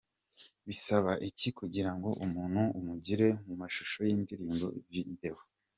Bisaba iki kugirango umuntu umugire mu mashusho y’indirimbo, Videwo:.